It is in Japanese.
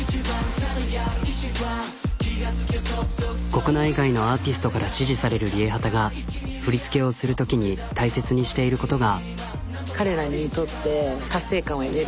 国内外のアーティストから支持されるＲＩＥＨＡＴＡが振り付けをするときに大切にしていることが。